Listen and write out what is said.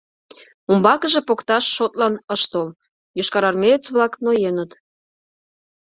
Умбакыже покташ шотлан ыш тол: йошкарармеец-влак ноеныт.